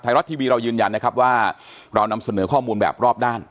รัฐทีวีเรายืนยันนะครับว่าเรานำเสนอข้อมูลแบบรอบด้าน